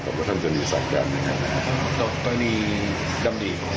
กับว่าท่านจะมีสั่งการยังงั้นนะครับตอนนี้กำดีของ